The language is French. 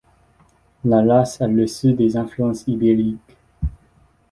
La race a reçu des influences ibériques.